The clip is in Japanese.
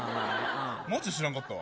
マジ知らんかったわ。